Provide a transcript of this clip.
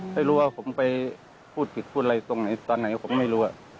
ไม่รู้ว่าผมไปพูดผิดพูดอะไรตรงไหนตอนไหนผมไม่รู้